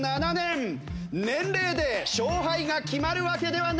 年齢で勝敗が決まるわけではない。